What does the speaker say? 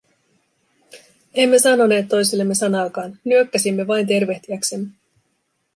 Emme sanoneet toisillemme sanaakaan, nyökkäsimme vain tervehtiäksemme.